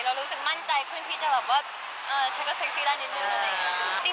เรารู้สึกมั่นใจคลื่นที่จะเรียกว่าอ้าวฉันก็เซ็กซี่ได้ดีนึง